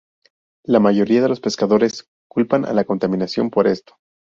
La mayoría de los pescadores culpan a la contaminación por esto.